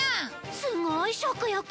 すごい食欲